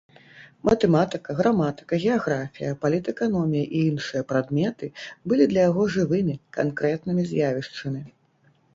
Матэматыка, граматыка, геаграфія, палітэканомія і іншыя прадметы былі для яго жывымі, канкрэтнымі з'явішчамі.